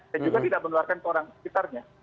dan juga tidak menularkan ke orang sekitarnya